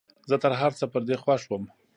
زه تر هرڅه پر دې خوښ وم.